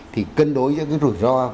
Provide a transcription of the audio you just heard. thì cân đối với cái rủi ro